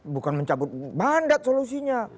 bukan mencabut mandat solusinya